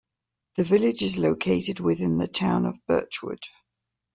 The village is located within the Town of Birchwood.